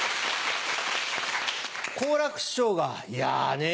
好楽師匠が「いやねぇ